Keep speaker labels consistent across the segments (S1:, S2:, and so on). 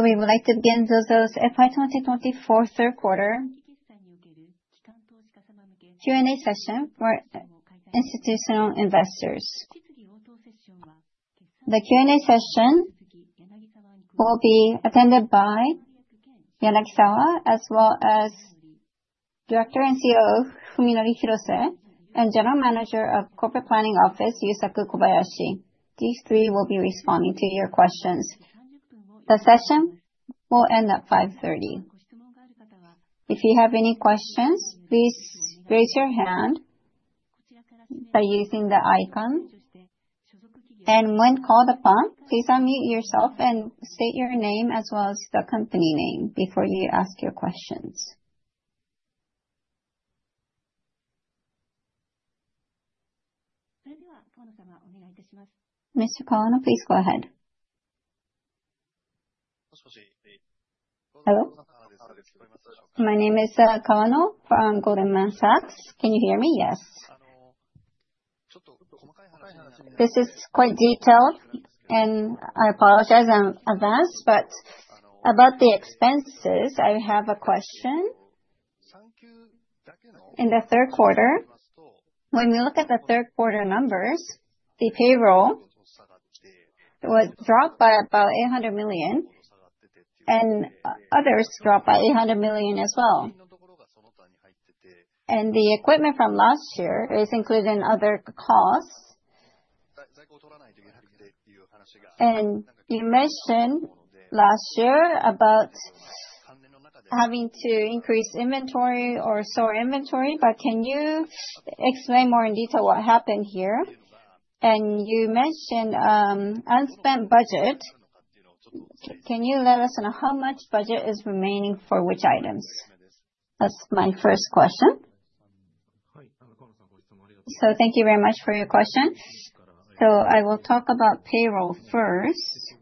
S1: We would like to begin ZOZO's FY 2024 third quarter Q&A session for institutional investors. The Q&A session will be attended by Yanagisawa, as well as Director and CEO Fuminori Hirose, and General Manager of Corporate Planning Office, Yusaku Kobayashi. These three will be responding to your questions. The session will end at 5:30 P.M. If you have any questions, please raise your hand by using the icon. When called upon, please unmute yourself and state your name as well as the company name before you ask your questions. Mr. Kawano, please go ahead. Hello. My name is Kawano from Goldman Sachs. Can you hear me? Yes. A little bit of a complicated. This is quite detailed, and I apologize in advance. But about the expenses, I have a question. In the third quarter, when we look at the third quarter numbers, the payroll dropped by about 800 million, and others dropped by 800 million as well. And the equipment from last year is included in other costs. And you mentioned last year about having to increase inventory or store inventory. But can you explain more in detail what happened here? And you mentioned unspent budget. Can you let us know how much budget is remaining for which items? That's my first question. So thank you very much for your question. So I will talk about payroll first.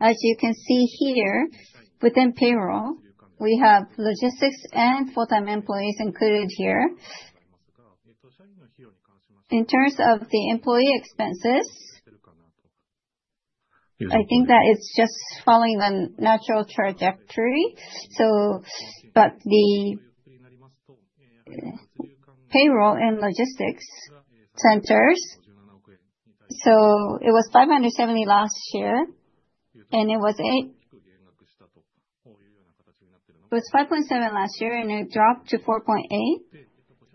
S1: As you can see here, within payroll, we have logistics and full-time employees included here. In terms of the employee expenses, I think that it's just following the natural trajectory. But the payroll and logistics centers, so it was 5.7 last year, and it dropped to 4.8.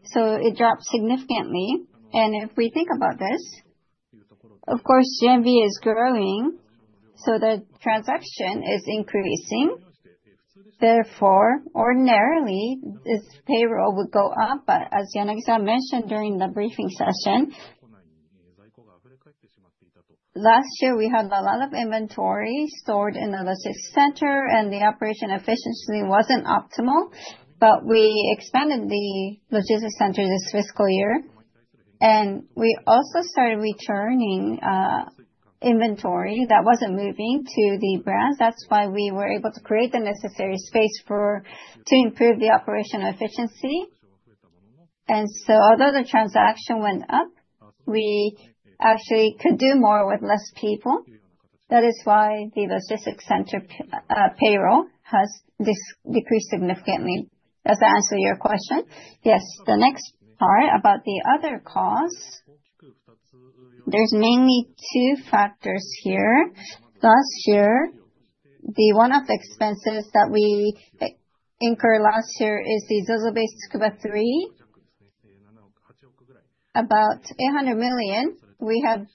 S1: So it dropped significantly. And if we think about this, of course, GMV is growing, so the transaction is increasing. Therefore, ordinarily, this payroll would go up. But as Yanagisawa mentioned during the briefing session, last year we had a lot of inventory stored in the logistics center, and the operation efficiency wasn't optimal. But we expanded the logistics center this fiscal year. And we also started returning inventory that wasn't moving to the branch. That's why we were able to create the necessary space to improve the operational efficiency. And so although the transaction went up, we actually could do more with less people. That is why the logistics center payroll has decreased significantly. Does that answer your question? Yes. The next part about the other costs, there's mainly two factors here. Last year, one of the expenses that we incurred last year is the ZOZOBASE Tsukuba 3, about 800 million. We have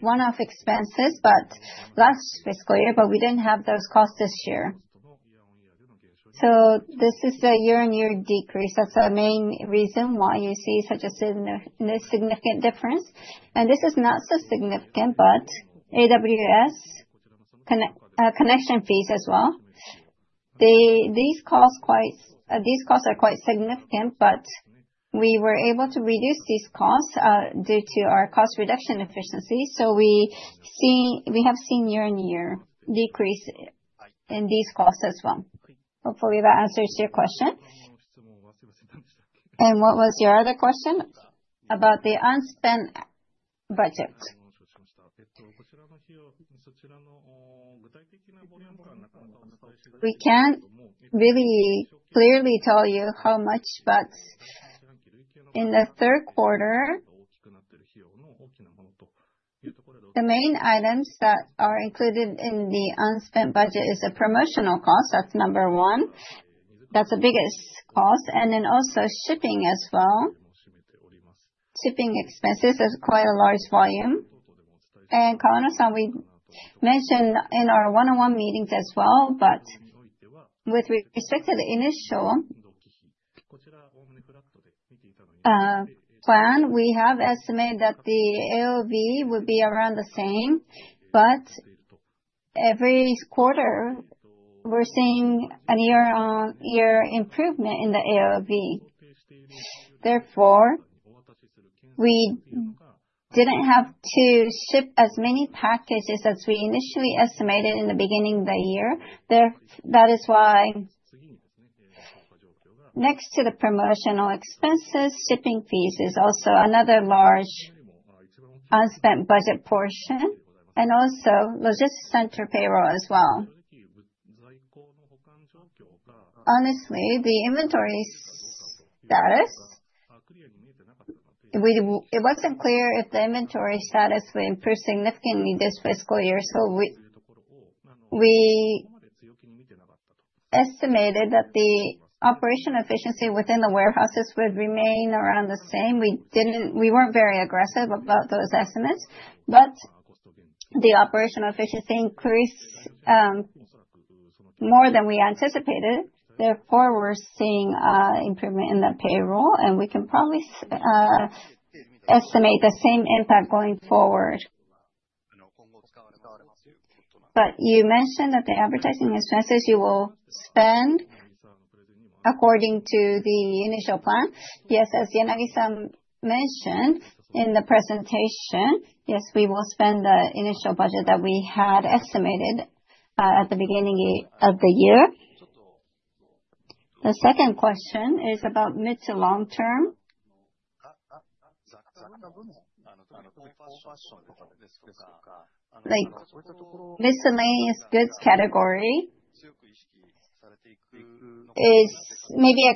S1: one-off expenses, but last fiscal year, we didn't have those costs this year, so this is a year-on-year decrease. That's the main reason why you see such a significant difference, and this is not so significant, but AWS connection fees as well. These costs are quite significant, but we were able to reduce these costs due to our cost reduction efficiency, so we have seen year-on-year decrease in these costs as well. Hopefully, that answers your question, and what was your other question? About the unspent budget. We can really clearly tell you how much, but in the third quarter, the main items that are included in the unspent budget are the promotional costs. That's number one. That's the biggest cost, and then also shipping as well. Shipping expenses are quite a large volume, and Kawano-san, we mentioned in our one-on-one meetings as well, but with respect to the initial plan, we have estimated that the AOV would be around the same, but every quarter, we're seeing a year-on-year improvement in the AOV. Therefore, we didn't have to ship as many packages as we initially estimated in the beginning of the year. That is why, next to the promotional expenses, shipping fees are also another large unspent budget portion, and also logistics center payroll as well. Honestly, the inventory status wasn't clear if it would improve significantly this fiscal year, so we estimated that the operational efficiency within the warehouses would remain around the same. We weren't very aggressive about those estimates, but the operational efficiency increased more than we anticipated. Therefore, we're seeing improvement in the payroll, and we can probably estimate the same impact going forward. But you mentioned that the advertising expenses you will spend according to the initial plan. Yes, as Yanagisawa mentioned in the presentation, yes, we will spend the initial budget that we had estimated at the beginning of the year. The second question is about mid to long-term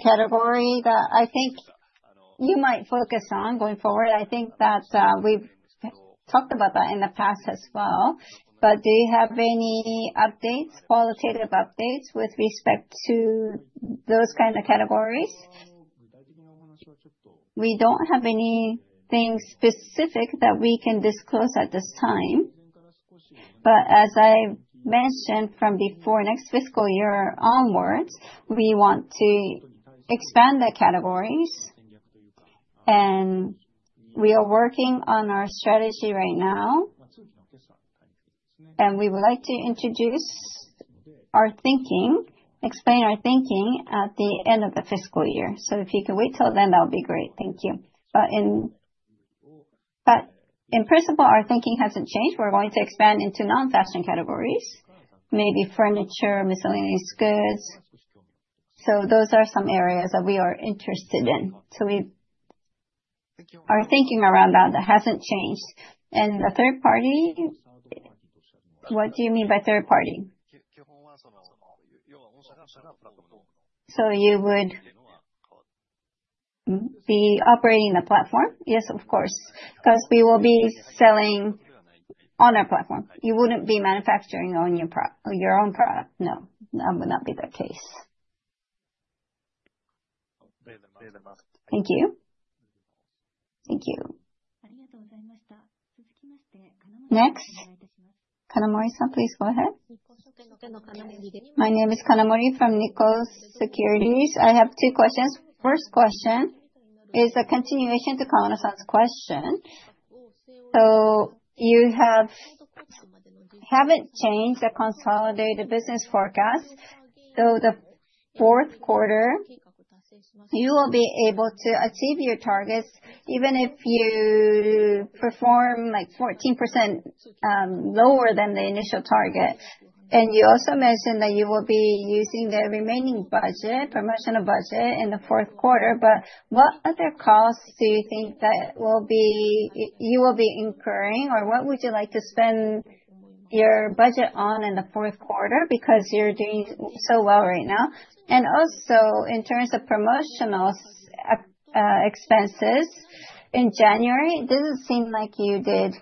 S1: categories that I think you might focus on going forward. I think that we've talked about that in the past as well, but do you have any qualitative updates with respect to those kinds of categories? We don't have anything specific that we can disclose at this time, but as I mentioned from before, next fiscal year onwards, we want to expand the categories, and we are working on our strategy right now. We would like to explain our thinking at the end of the fiscal year. So if you can wait till then, that would be great. Thank you. But in principle, our thinking hasn't changed. We're going to expand into non-fashion categories, maybe furniture, miscellaneous goods. So those are some areas that we are interested in. So our thinking around that hasn't changed. And the third party, what do you mean by third party? So you would be operating the platform? Yes, of course. Because we will be selling on our platform. You wouldn't be manufacturing your own product. No, that would not be the case. Thank you. Thank you. Next. Kanamori-san, please go ahead. My name is Kanamori from Nikko Securities. I have two questions. First question is a continuation to Kawano-san's question. So you haven't changed the consolidated business forecast. So the fourth quarter, you will be able to achieve your targets even if you perform 14% lower than the initial target. And you also mentioned that you will be using the remaining budget, promotional budget in the fourth quarter. But what other costs do you think that you will be incurring, or what would you like to spend your budget on in the fourth quarter because you're doing so well right now? And also, in terms of promotional expenses, in January, it doesn't seem like you did.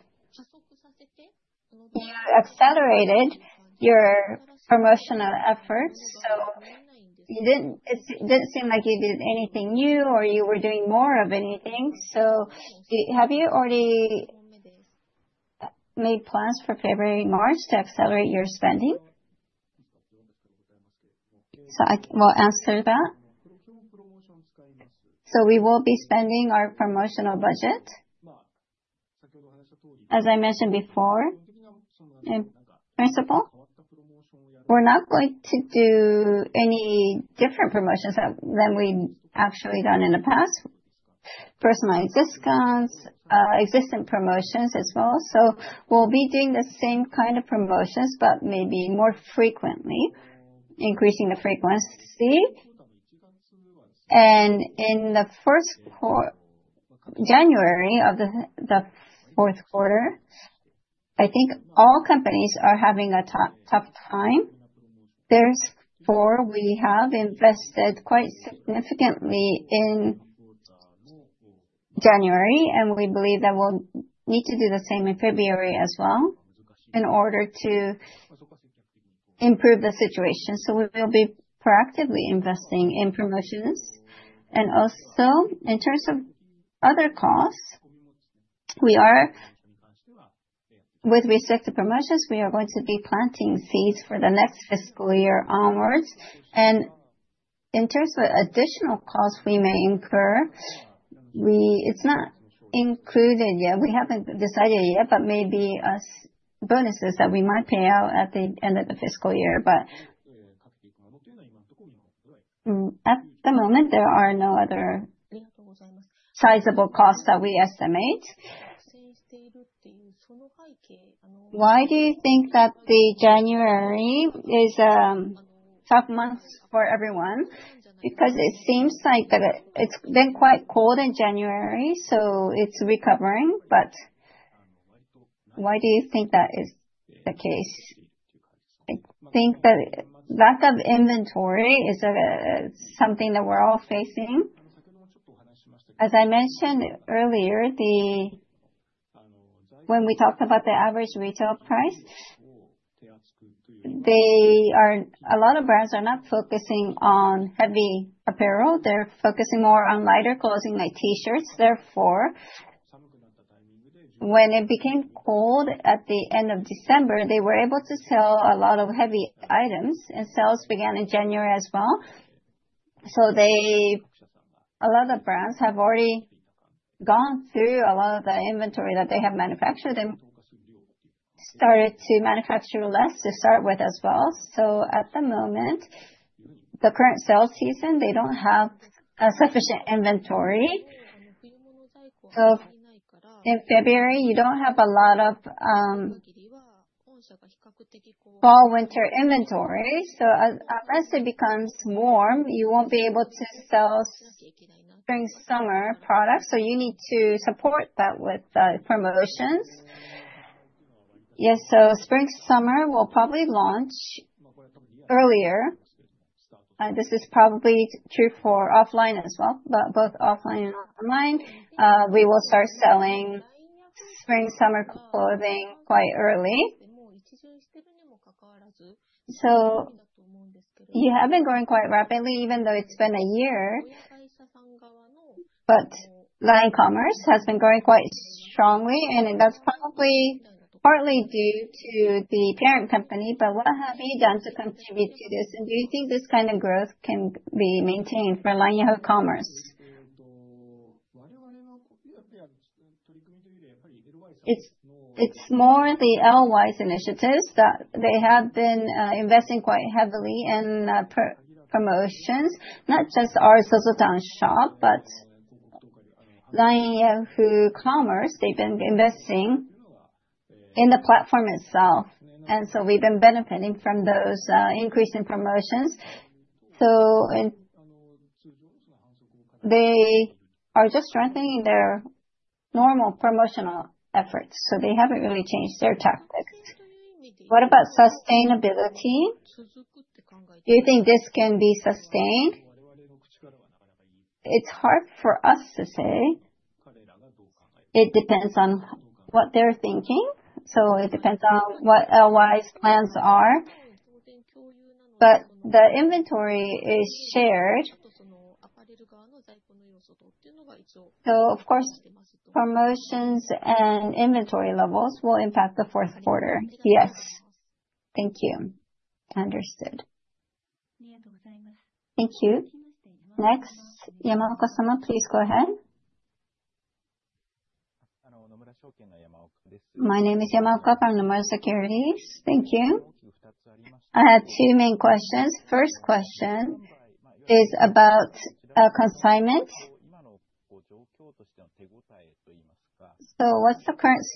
S1: You accelerated your promotional efforts. So it didn't seem like you did anything new or you were doing more of anything. So have you already made plans for February/March to accelerate your spending? So I will answer that. So we will be spending our promotional budget, as I mentioned before. Principal? We're not going to do any different promotions than we've actually done in the past, personalized discounts, existing promotions as well. So we'll be doing the same kind of promotions, but maybe more frequently, increasing the frequency. And in the first quarter, January of the fourth quarter, I think all companies are having a tough time. Therefore, we have invested quite significantly in January, and we believe that we'll need to do the same in February as well in order to improve the situation. So we will be proactively investing in promotions. And also, in terms of other costs, with respect to promotions, we are going to be planting seeds for the next fiscal year onwards. And in terms of additional costs we may incur, it's not included yet. We haven't decided yet, but maybe bonuses that we might pay out at the end of the fiscal year. But at the moment, there are no other sizable costs that we estimate. Why do you think that the January is a tough month for everyone? Because it seems like it's been quite cold in January, so it's recovering. But why do you think that is the case? I think that lack of inventory is something that we're all facing. As I mentioned earlier, when we talked about the average retail price, a lot of brands are not focusing on heavy apparel. They're focusing more on lighter clothing, like T-shirts. Therefore, when it became cold at the end of December, they were able to sell a lot of heavy items. And sales began in January as well. So a lot of brands have already gone through a lot of the inventory that they have manufactured and started to manufacture less to start with as well. So at the moment, the current sales season, they don't have sufficient inventory. In February, you don't have a lot of fall/winter inventory. So unless it becomes warm, you won't be able to sell spring/summer products. So you need to support that with promotions. Yes. So spring/summer will probably launch earlier. This is probably true for offline as well. But both offline and online, we will start selling spring/summer clothing quite early. So you have been growing quite rapidly, even though it's been a year. But LINE commerce has been growing quite strongly. And that's probably partly due to the parent company. But what have you done to contribute to this? And do you think this kind of growth can be maintained for LINE commerce? It's more the LY's initiatives that they have been investing quite heavily in promotions, not just our ZOZOTOWN shop, but LINE commerce. They've been investing in the platform itself. And so we've been benefiting from those increasing promotions. So they are just strengthening their normal promotional efforts. So they haven't really changed their tactics. What about sustainability? Do you think this can be sustained? It's hard for us to say. It depends on what they're thinking. So it depends on what LY's plans are. But the inventory is shared. So, of course, promotions and inventory levels will impact the fourth quarter. Yes. Thank you. Understood. Thank you. Next, Yamako-sama, please go ahead. My name is Yamako from Nomura Securities. Thank you. I have two main questions. First question is about consignment. So what's the current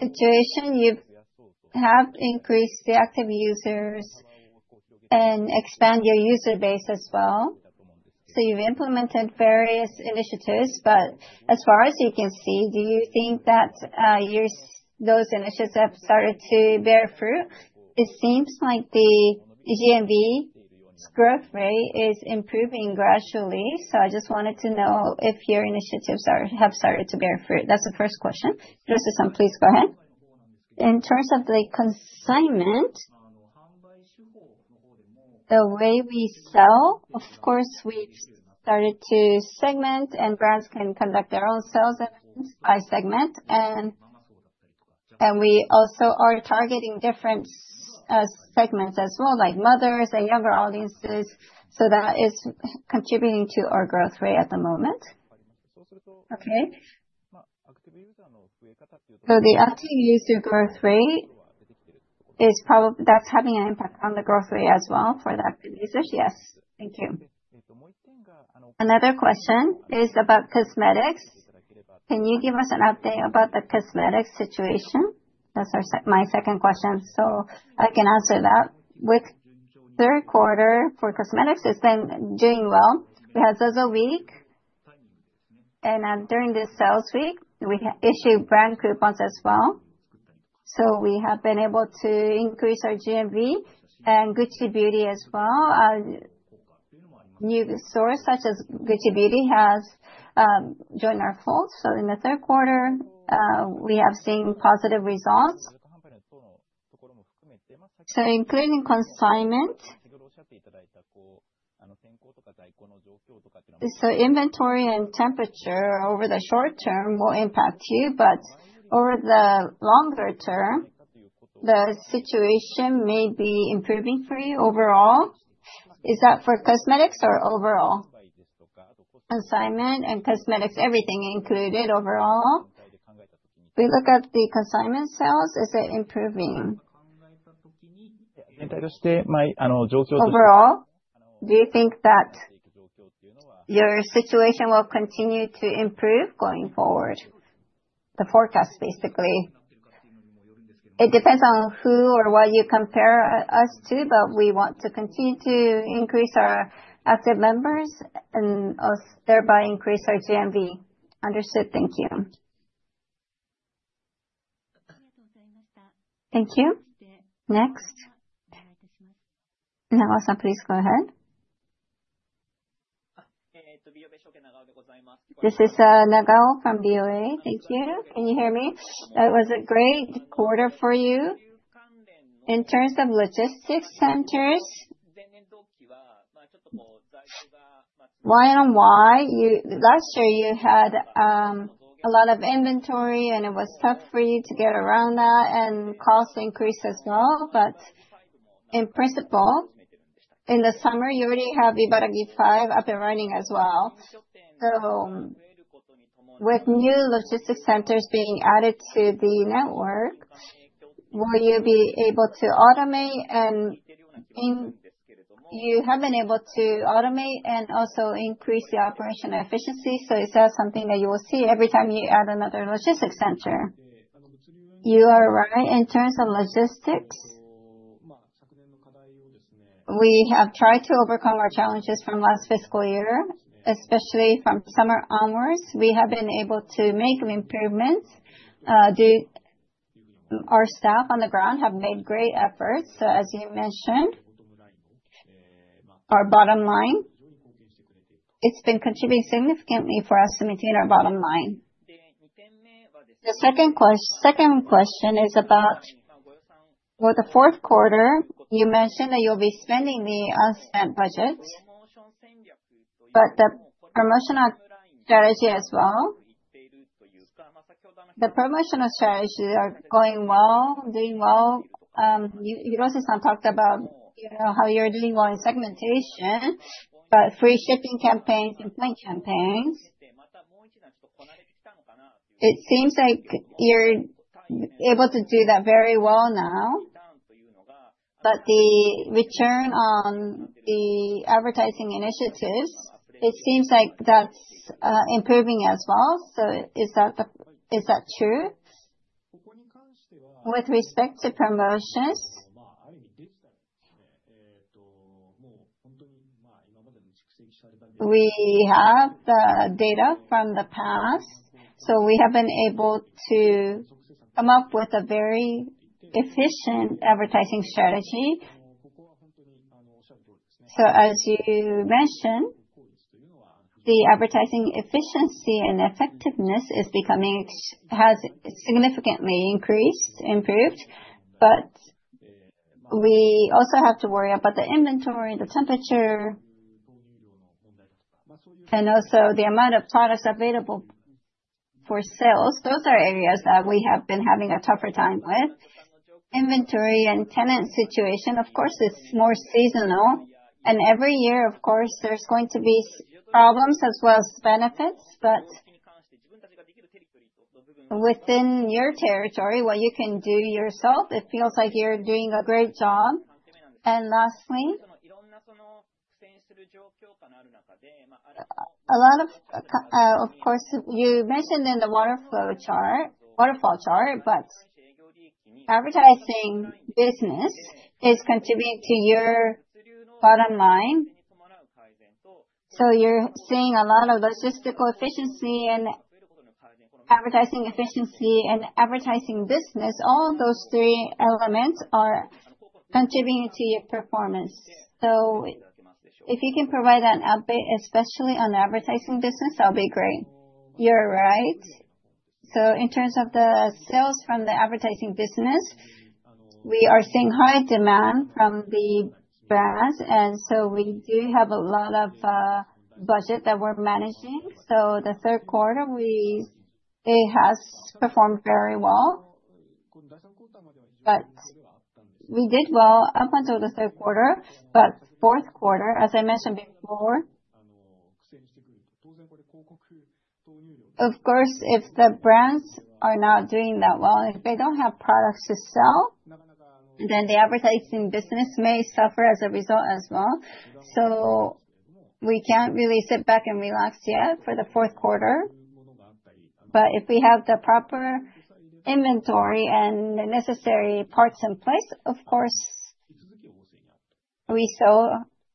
S1: situation? You have increased the active users and expanded your user base as well. So you've implemented various initiatives. But as far as you can see, do you think that those initiatives have started to bear fruit? It seems like the GMV growth rate is improving gradually, so I just wanted to know if your initiatives have started to bear fruit. That's the first question. Joseph-san, please go ahead. In terms of the consignment, the way we sell, of course, we've started to segment, and brands can conduct their own sales by segment, and we also are targeting different segments as well, like mothers and younger audiences, so that is contributing to our growth rate at the moment. Okay, so the active user growth rate is probably having an impact on the growth rate as well for the active users. Yes. Thank you. Another question is about cosmetics. Can you give us an update about the cosmetics situation? That's my second question, so I can answer that. With third quarter, for cosmetics, it's been doing well. We had ZOZO Week. And during this sales week, we issued brand coupons as well. So we have been able to increase our GMV and Gucci Beauty as well. New sources such as Gucci Beauty have joined our fold. So in the third quarter, we have seen positive results. So including consignment, so inventory and turnover over the short term will impact you. But over the longer term, the situation may be improving for you overall. Is that for cosmetics or overall? Consignment and cosmetics, everything included overall. We look at the consignment sales. Is it improving? Overall, do you think that your situation will continue to improve going forward? The forecast, basically. It depends on who or what you compare us to. But we want to continue to increase our active members and thereby increase our GMV. Understood. Thank you. Thank you. Next, Yamako-san, please go ahead. This is Nagao from BOA. Thank you. Can you hear me? That was a great quarter for you. In terms of logistics centers, last year you had a lot of inventory, and it was tough for you to get around that and cost increase as well. But in principle, in the summer, you already have Ibaraki 5 up and running as well. So with new logistics centers being added to the network, will you be able to automate? And you have been able to automate and also increase the operational efficiency. So is that something that you will see every time you add another logistics center? You are right. In terms of logistics, we have tried to overcome our challenges from last fiscal year, especially from summer onwards. We have been able to make improvements. Our staff on the ground have made great efforts. So as you mentioned, our bottom line, it's been contributing significantly for us to maintain our bottom line. The second question is about for the fourth quarter, you mentioned that you'll be spending the unspent budget. But the promotional strategy as well, the promotional strategy are going well, doing well. You also talked about how you're doing well in segmentation, but free shipping campaigns and point campaigns, it seems like you're able to do that very well now. But the return on the advertising initiatives, it seems like that's improving as well. So is that true? With respect to promotions, we have the data from the past. So we have been able to come up with a very efficient advertising strategy. So as you mentioned, the advertising efficiency and effectiveness has significantly increased, improved. But we also have to worry about the inventory, the temperature, and also the amount of products available for sales. Those are areas that we have been having a tougher time with. Inventory and tenant situation, of course, is more seasonal. And every year, of course, there's going to be problems as well as benefits. But within your territory, what you can do yourself, it feels like you're doing a great job. And lastly, a lot of, of course, you mentioned in the waterfall chart, but advertising business is contributing to your bottom line. So you're seeing a lot of logistical efficiency and advertising efficiency and advertising business. All those three elements are contributing to your performance. So if you can provide an update, especially on the advertising business, that would be great. You're right. So in terms of the sales from the advertising business, we are seeing high demand from the brands. And so we do have a lot of budget that we're managing. So the third quarter, it has performed very well. But we did well up until the third quarter. But fourth quarter, as I mentioned before, of course, if the brands are not doing that well, if they don't have products to sell, then the advertising business may suffer as a result as well. So we can't really sit back and relax yet for the fourth quarter. But if we have the proper inventory and the necessary parts in place, of course, we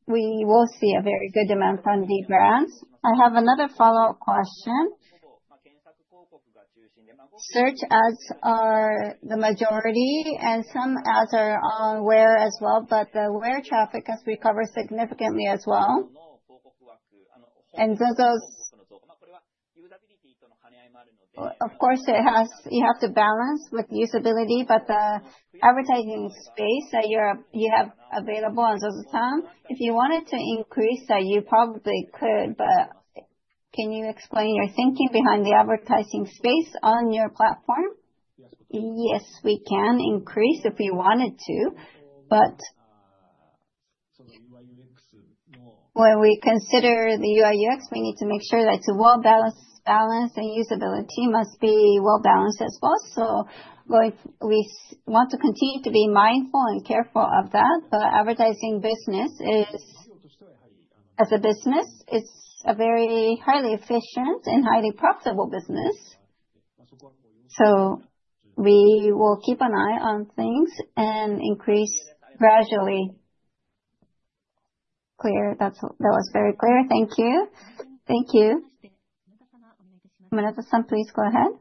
S1: will see a very good demand from the brands. I have another follow-up question. Search ads are the majority, and some ads are on WEAR as well. But the WEAR traffic has recovered significantly as well. ZOZO, of course, you have to balance with usability. But the advertising space that you have available on ZOZOTOWN, if you wanted to increase, you probably could. But can you explain your thinking behind the advertising space on your platform? Yes, we can increase if we wanted to. But when we consider the UI/UX, we need to make sure that it's well-balanced. Balance and usability must be well-balanced as well. So we want to continue to be mindful and careful of that. But advertising business, as a business, is a very highly efficient and highly profitable business. So we will keep an eye on things and increase gradually. Clear? That was very clear. Thank you. Thank you. Murata-san, please go ahead.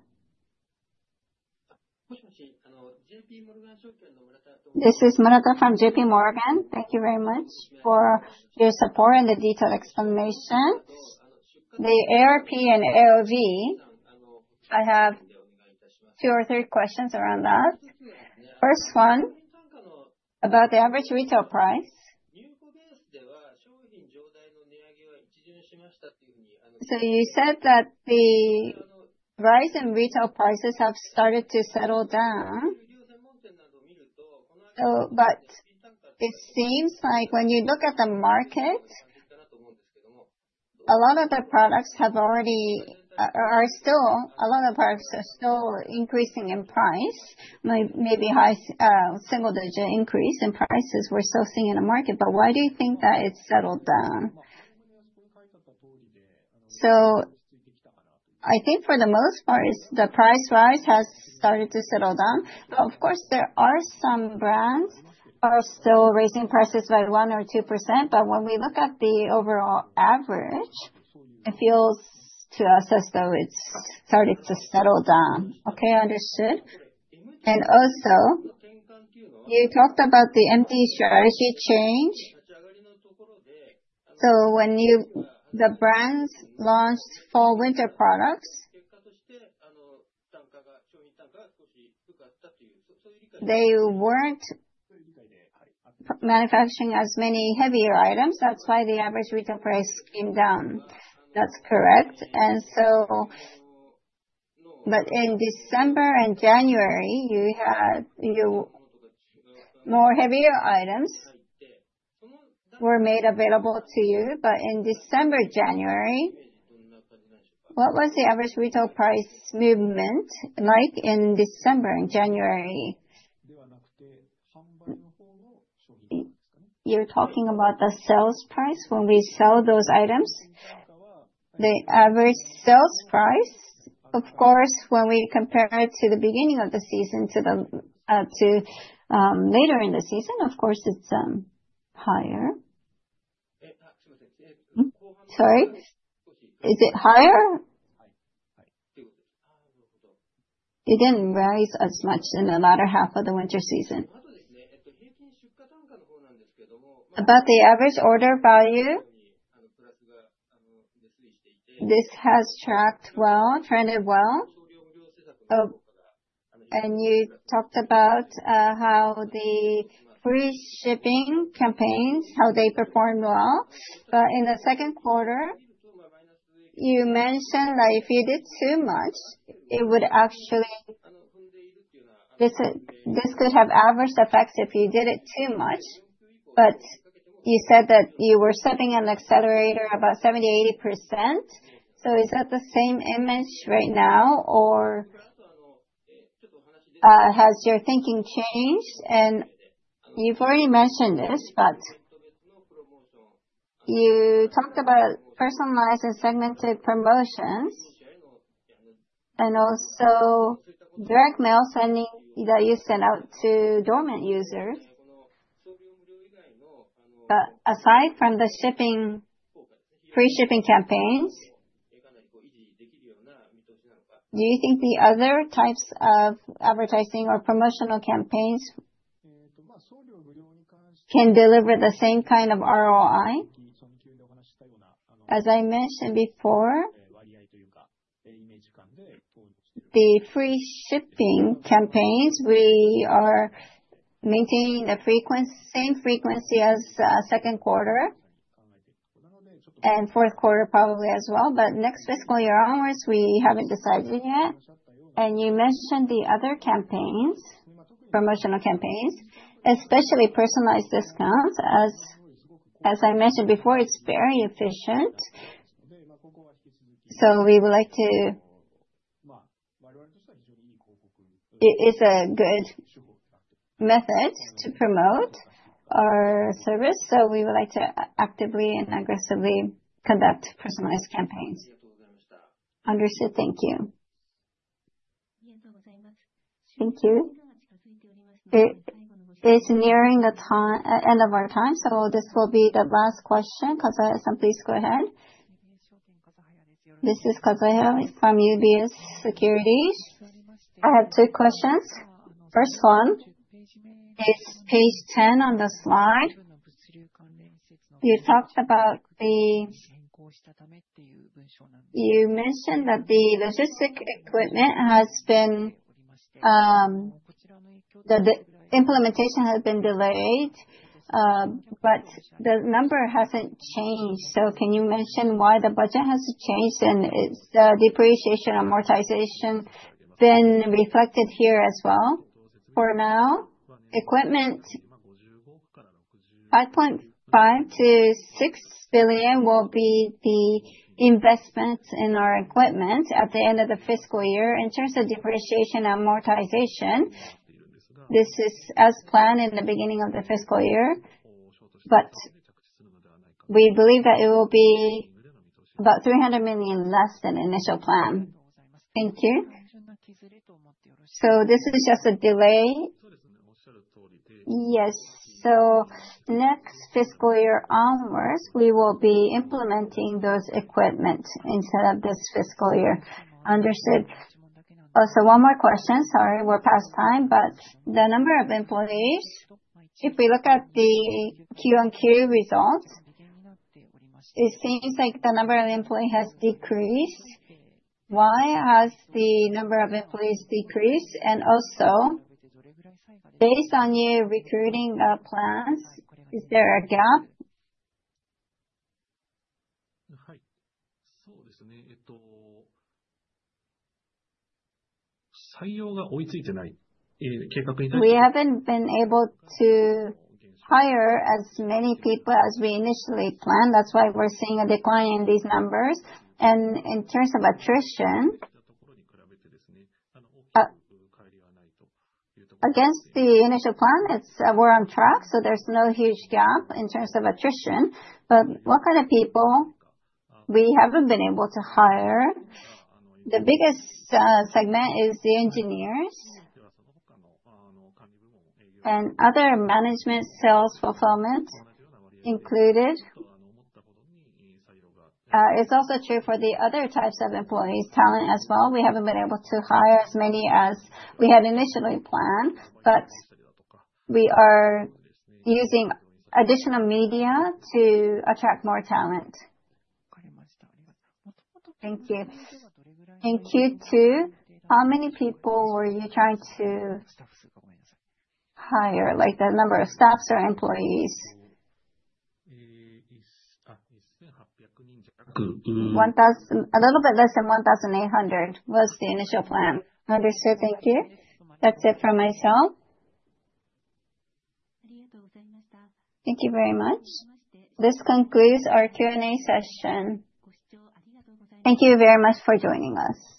S1: This is Murata from J.P. Morgan. Thank you very much for your support and the detailed explanation. The ARP and AOV. I have two or three questions around that. First one about the average retail price. So you said that the rise in retail prices have started to settle down. But it seems like when you look at the market, a lot of the products have already or are still increasing in price, maybe single-digit increase in prices we're still seeing in the market. But why do you think that it's settled down? So I think for the most part, the price rise has started to settle down. Of course, there are some brands that are still raising prices by 1% or 2%. But when we look at the overall average, it feels to us as though it's started to settle down. Okay. Understood. And also, you talked about the MD strategy change. So when the brands launched fall/winter products, they weren't manufacturing as many heavier items. That's why the average retail price came down. That's correct. And so, but in December and January, you had more heavier items that were made available to you. But in December, January, what was the average retail price movement like in December and January? You're talking about the sales price when we sell those items? The average sales price, of course, when we compare it to the beginning of the season to later in the season, of course, it's higher. Sorry? Is it higher? You didn't rise as much in the latter half of the winter season. About the average order value, this has tracked well, trended well. And you talked about how the free shipping campaigns, how they performed well. In the second quarter, you mentioned that if you did too much, it would actually have adverse effects if you did it too much. You said that you were setting an accelerator of about 70% to 80%. Is that the same image right now, or has your thinking changed? You've already mentioned this, but you talked about personalized and segmented promotions, and also direct mail sending that you sent out to dormant users. Aside from the free shipping campaigns, do you think the other types of advertising or promotional campaigns can deliver the same kind of ROI, as I mentioned before? The free shipping campaigns, we are maintaining the same frequency as second quarter, and fourth quarter probably as well. Next fiscal year onwards, we haven't decided yet. You mentioned the other campaigns, promotional campaigns, especially personalized discounts. As I mentioned before, it's very efficient. So we would like to is a good method to promote our service. So we would like to actively and aggressively conduct personalized campaigns. Understood. Thank you. Thank you. It's nearing the end of our time. So this will be the last question. Kazahaya-san, please go ahead. This is Kazahaya from UBS Securities. I have two questions. First one is page 10 on the slide. You talked about the logistics equipment implementation has been delayed, but the number hasn't changed. So can you mention why the budget has changed? And is the depreciation amortization been reflected here as well? For now, equipment 5.5 billion to 6 billion will be the investment in our equipment at the end of the fiscal year. In terms of depreciation amortization, this is as planned in the beginning of the fiscal year. But we believe that it will be about 300 million less than the initial plan. Thank you. So this is just a delay. Yes. So next fiscal year onwards, we will be implementing those equipment instead of this fiscal year. Understood. Also, one more question. Sorry, we're past time. But the number of employees, if we look at the Q and Q results, it seems like the number of employees has decreased. Why has the number of employees decreased? And also, based on your recruiting plans, is there a gap? We haven't been able to hire as many people as we initially planned. That's why we're seeing a decline in these numbers. And in terms of attrition, against the initial plan, it's we're on track. So there's no huge gap in terms of attrition. But what kind of people we haven't been able to hire? The biggest segment is the engineers and other management, sales, fulfillment included. It's also true for the other types of employees, talent as well. We haven't been able to hire as many as we had initially planned. But we are using additional media to attract more talent. Thank you. In Q2, how many people were you trying to hire, like the number of staff or employees? A little bit less than 1,800 was the initial plan. Understood. Thank you. That's it from my side. Thank you very much. This concludes our Q and A session. Thank you very much for joining us.